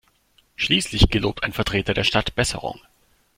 Schließlich gelobt ein Vertreter der Stadt Besserung.